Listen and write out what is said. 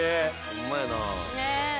ホンマやな。